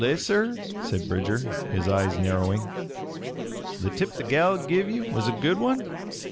Eh, sir?" said Bridger, his eyes narrowing. "The tip the gal give ye was a good one?"